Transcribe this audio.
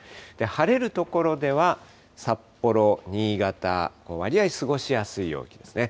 晴れる所では、札幌、新潟、わりあい過ごしやすい陽気ですね。